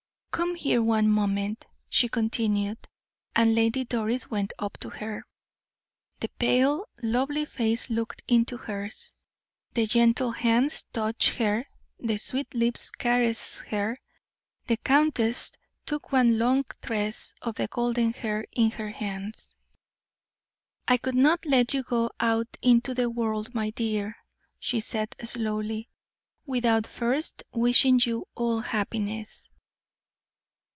"Come here one moment," she continued, and Lady Doris went up to her. The pale, lovely face looked into hers, the gentle hands touched her, the sweet lips caressed her. The countess took one long tress of the golden hair in her hands. "I could not let you go out into the world, my dear," she said, slowly, "without first wishing you all happiness."